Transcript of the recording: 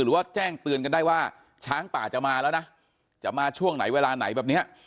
หรือว่าแจ้งเตือนกันได้ว่าช้างป่าจะมาแล้วนะจะมาช่วงไหนเวลาไหนแบบเนี้ย